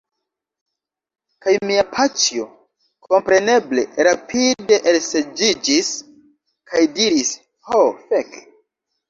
Kaj mia paĉjo, kompreneble, rapide elseĝiĝis, kaj diris: "Ho fek!"